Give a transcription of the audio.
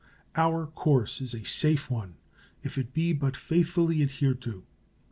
Our course is a safe one if it be but faithfully adhered to.